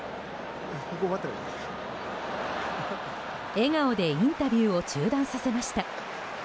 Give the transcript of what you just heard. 笑顔でインタビューを中断させました。